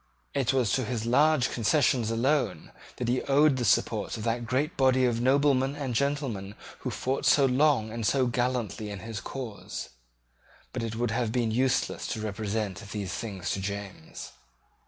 It was to his large concessions alone that he owed the support of that great body of noblemen and gentlemen who fought so long and so gallantly in his cause. But it would have been useless to represent these things to James.